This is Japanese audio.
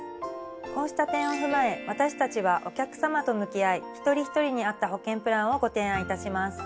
こうした点を踏まえ私たちはお客さまと向き合い一人一人に合った保険プランをご提案いたします。